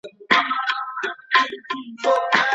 که ملي جامې وکارول سي، نو کلتور نه پردی کیږي.